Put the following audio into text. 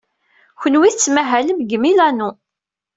Kenwi tettmahalem deg Milano.